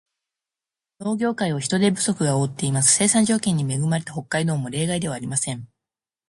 農業界を人手不足が覆っています。生産条件に恵まれた北海道も例外ではありません。